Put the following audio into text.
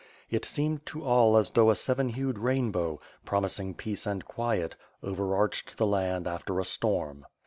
It seemed to all bs though a seven hued rainbow, promising peace and quiet, overarched the land after a storm.